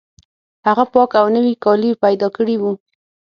هغه پاک او نوي کالي پیدا کړي وو